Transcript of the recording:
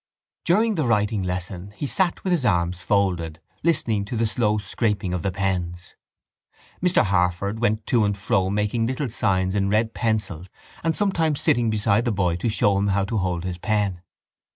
During the writing lesson he sat with his arms folded, listening to the slow scraping of the pens. Mr Harford went to and fro making little signs in red pencil and sometimes sitting beside the boy to show him how to hold his pen.